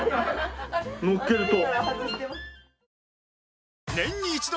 乗っけると。